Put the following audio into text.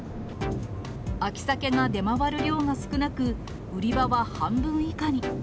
秋サケが出回る量が少なく、売り場は半分以下に。